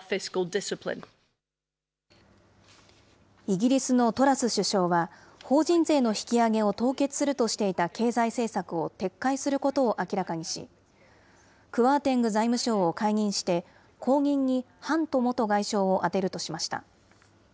イギリスのトラス首相は、法人税の引き上げを凍結するとしていた経済政策を撤回することを明らかにし、クワーテング財務相を解任して、後任にハント元外相を充てるとしました。